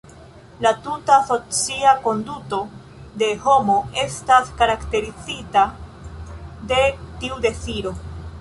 La tuta socia konduto de homo estas karakterizita de tiu deziro.